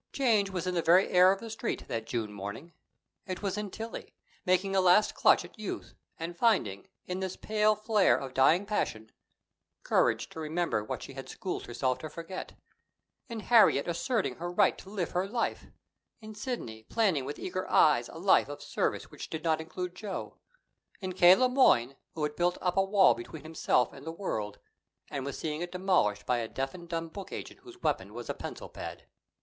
Change was in the very air of the Street that June morning. It was in Tillie, making a last clutch at youth, and finding, in this pale flare of dying passion, courage to remember what she had schooled herself to forget; in Harriet asserting her right to live her life; in Sidney, planning with eager eyes a life of service which did not include Joe; in K. Le Moyne, who had built up a wall between himself and the world, and was seeing it demolished by a deaf and dumb book agent whose weapon was a pencil pad!